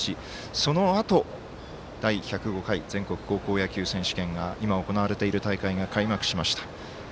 そのあと第１０５回全国高校野球選手権が今、行われている大会が開幕しました。